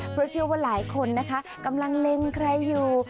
เพราะเชื่อว่าหลายคนนะคะกำลังเล็งใครอยู่